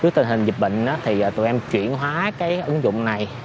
trước tình hình dịch bệnh thì tụi em chuyển hóa cái ứng dụng này